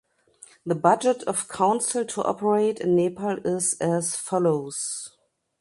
The budget of council to operate in Nepal is as follows.